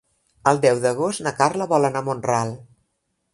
El deu d'agost na Carla vol anar a Mont-ral.